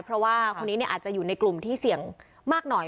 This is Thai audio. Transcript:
เพราะว่าคนนี้อาจจะอยู่ในกลุ่มที่เสี่ยงมากหน่อย